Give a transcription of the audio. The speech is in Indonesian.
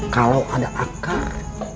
kalau ada akar